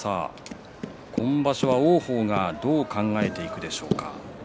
今場所は王鵬どう考えていくでしょうか。